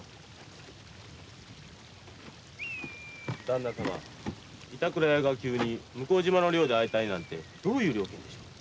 ダンナ様板倉屋が急に向島の寮で会いたいなんてどういう了見でしょう？